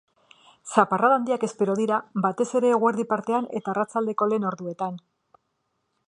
Zaparrada handiak espero dira, batez ere eguerdi partean eta arratsaldeko lehen orduetan.